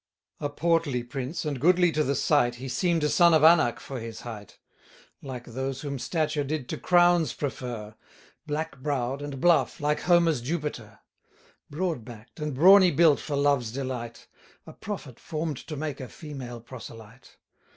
A portly prince, and goodly to the sight, He seem'd a son of Anak for his height: Like those whom stature did to crowns prefer: Black brow'd, and bluff, like Homer's Jupiter: Broad back'd, and brawny built for love's delight; A prophet form'd to make a female proselyte.